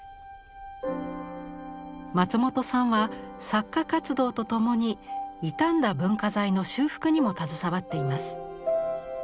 松本さんは作家活動とともに傷んだ文化財の修復にも携わっています。